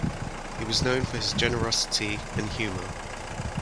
He was known for his generosity and humor.